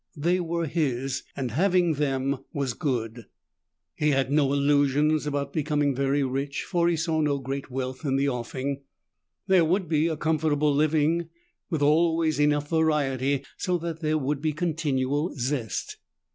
They were his, and having them was good. He had no illusions about becoming very rich, for he saw no great wealth in the offing. There would be a comfortable living, with always enough variety so that there would be continual zest.